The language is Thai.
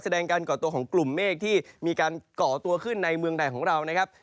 แสดงการก่อตัวของกลุ่มเมฆที่มีการก่อตัวขึ้นในเมืองไทยของเรานะครับ